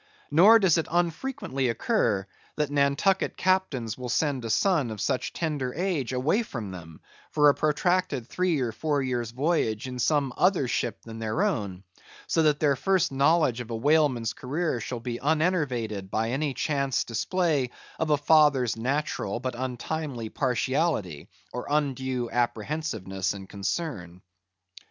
Nor does it unfrequently occur, that Nantucket captains will send a son of such tender age away from them, for a protracted three or four years' voyage in some other ship than their own; so that their first knowledge of a whaleman's career shall be unenervated by any chance display of a father's natural but untimely partiality, or undue apprehensiveness and concern.